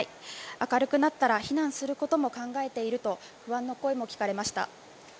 明るくなったら避難することも考えていると不安の声も聞かれました。